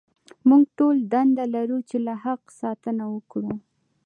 موږ ټول دنده لرو چې له حق ساتنه وکړو.